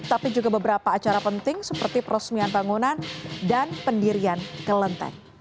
tapi juga beberapa acara penting seperti peresmian bangunan dan pendirian kelenteng